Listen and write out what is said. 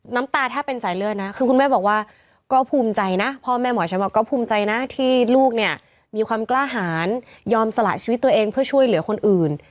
น้ำตาแทบเป็นสายเลือดนะคือคุณแม่บอกว่าก็ภูมิใจนะพ่อแม่หมอแชมป์บอกก็ภูมิใจนะที่ลูกเนี่ยมีความกล้าหารยอมสละชีวิตตัวเองเพื่อช่วยเหลือคนอื่น